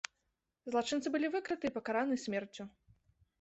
Злачынцы былі выкрыты і пакараны смерцю.